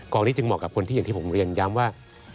นี้จึงเหมาะกับคนที่อย่างที่ผมเรียนย้ำว่า